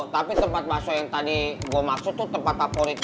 tapi tempat baso yang tadi gue maksud tuh tempat aporit gue